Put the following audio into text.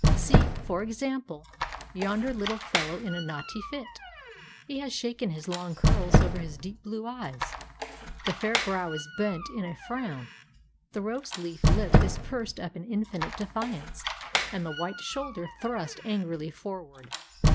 See, for example, yonder little fellow in a naughty fit. He has shaken his long curls over his deep blue eyes; the fair brow is bent in a frown, the rose leaf lip is pursed up in infinite defiance, and the white shoulder thrust angrily forward.